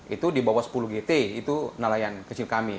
itu di bawah sepuluh gt itu nelayan kecil kami